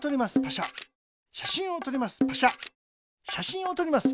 しゃしんをとります。